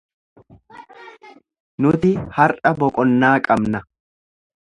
Nuti har'a boqonnaa qabna.